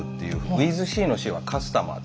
ｗｉｔｈＣのＣはカスタマー。